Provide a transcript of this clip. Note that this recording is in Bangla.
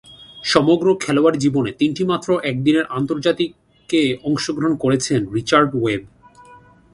সমগ্র খেলোয়াড়ী জীবনে তিনটিমাত্র একদিনের আন্তর্জাতিকে অংশগ্রহণ করেছেন রিচার্ড ওয়েব।